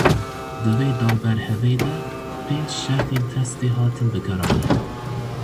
Di vê danberhevê de pênc şertên testê hatin bikaranîn.